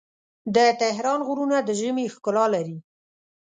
د تهران غرونه د ژمي ښکلا لري.